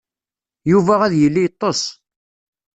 Yuba ad yili yeṭṭes.